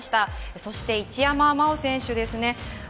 そして一山麻緒選手ですね。